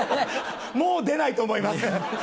もう出ないと思います。